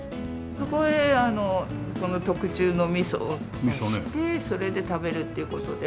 そこへこの特注の味噌を溶かしてそれで食べるっていう事で。